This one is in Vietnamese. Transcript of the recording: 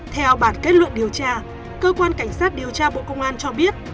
theo bản kết luận điều tra cơ quan cảnh sát điều tra bộ công an cho biết